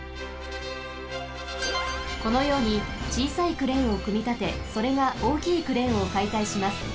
このようにちいさいクレーンをくみたてそれがおおきいクレーンをかいたいします。